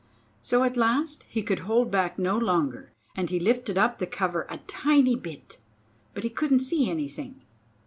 So at last he could hold back no longer, and he lifted up the cover a tiny bit; but he couldn't see anything.